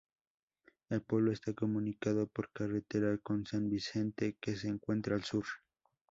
El pueblo está comunicado por carretera con San Vicente, que se encuentra al sur.